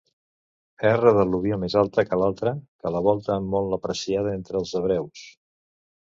Erra d'al·luvió més alta que l'altra que la volta molt apreciada entre els hebreus.